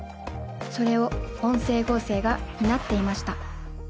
それを音声合成が担っていました。